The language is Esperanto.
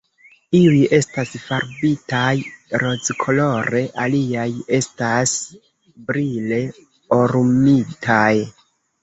Iuj estas farbitaj rozkolore, aliaj estas brile orumitaj.